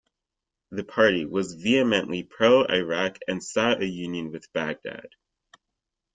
The party was vehemently pro-Iraq and sought a union with Baghdad.